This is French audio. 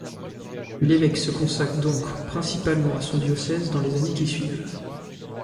L'évêque se consacre donc principalement à son diocèse dans les années qui suivent.